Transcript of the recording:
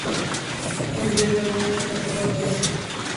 আমি জানি আমি এটা কোথাও দেখেছি।